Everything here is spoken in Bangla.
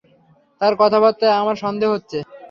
তার কথা-বার্তায় আমার সন্দেহ হচ্ছে।